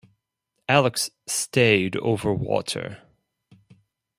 Alex stayed over water.